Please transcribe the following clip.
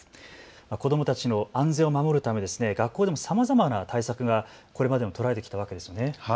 子どもたちの安全を守るため学校でもさまざまな対策がこれまでも取られてきたわけですよね。